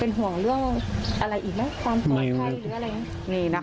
เป็นห่วงเรื่องอะไรอีกไหม